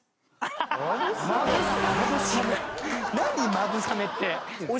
「まぶさめ」って。